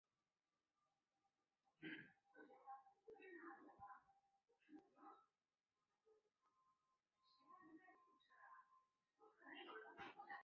两个站厅在非付费区互不相通。